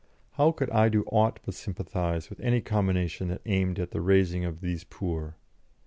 How could I do aught but sympathise with any combination that aimed at the raising of these poor?